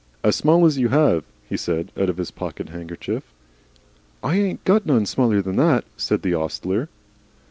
"As small as you have," he said, out of his pocket handkerchief. "I ain't got none smaller than that," said the ostler.